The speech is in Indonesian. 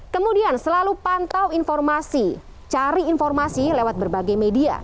kemudian selalu pantau informasi cari informasi lewat berbagai media